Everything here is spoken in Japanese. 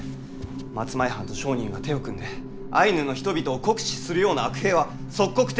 松前藩と商人が手を組んでアイヌの人々を酷使するような悪弊は即刻撤廃せねばなりません！